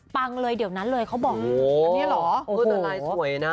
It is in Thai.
ปังเลยเดี๋ยวนั้นเลยเขาบอกโอ้โหอันนี้หรอโอ้โหตัวลายสวยนะ